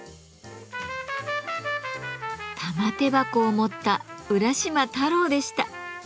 玉手箱を持った浦島太郎でした。